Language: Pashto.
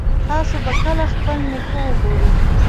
تاسو به کله خپل نیکه وګورئ